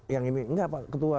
yang ini enggak pak ketua